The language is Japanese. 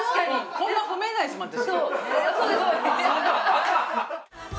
こんな褒めないですもん私。